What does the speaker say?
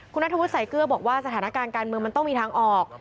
คุณนัทธวุฒิใส่เกลือบอกว่าสถานการณ์การเมืองมันต้องมีทางออก